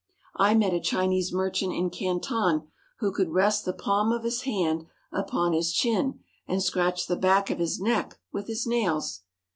I met a Chinese merchant in Canton who could rest the palm of his hand upon his chin, and scratch the back of his neck with his nails.